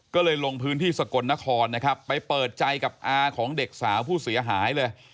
ก็เลยลงพื้นที่สกลนครนะครับไปเปิดใจกับอาของเด็กสาวผู้เสียหายเลย